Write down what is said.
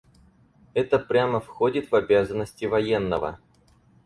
Это прямо входит в обязанности военного.